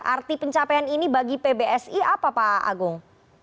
arti pencapaian ini bagi pbsi apa pak agung